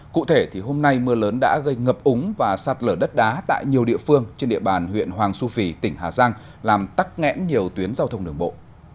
cụ thể thì hôm nay mưa lớn đã gây ngập úng và sạt lở đất đá tại nhiều địa phương trên địa bàn huyện hoàng su phi tỉnh hà giang làm tắc nghẽn nhiều tuyến giao thông đường bộ